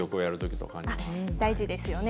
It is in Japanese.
大事ですよね。